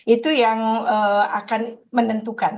itu yang akan menentukan